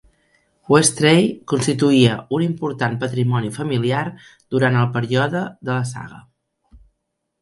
Westray constituïa un important patrimoni familiar durant el període de la saga.